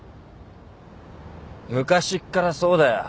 昔っからそうだよ。